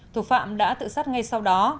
thủ phạm đã tự sát ngay sau đó